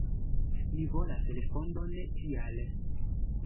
Mi volas respondon kial.